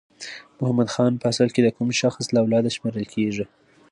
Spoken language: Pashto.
محمد خان په اصل کې د کوم شخص له اولاده شمیرل کیږي؟